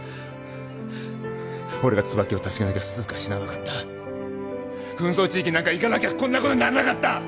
俺が椿を助けなきゃ涼香は死ななかった紛争地域になんか行かなきゃこんなことにならなかった！